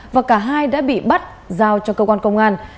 và cả hai đã bị bắt giao cho cơ quan công an